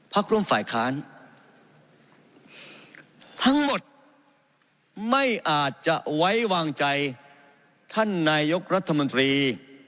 ร่วมฝ่ายค้านทั้งหมดไม่อาจจะไว้วางใจท่านนายกรัฐมนตรี